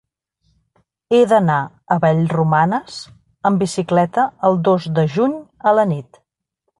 He d'anar a Vallromanes amb bicicleta el dos de juny a la nit.